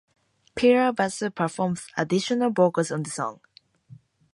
Pilar Basso performs additional vocals on the song.